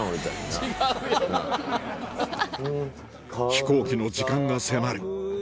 飛行機の時間が迫る